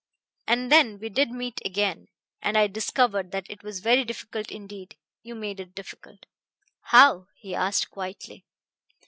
And then we did meet again, and I discovered that it was very difficult indeed. You made it difficult." "How?" he asked quietly.